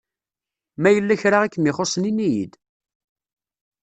Ma yella kra i kem-ixuṣsen ini-yi-d!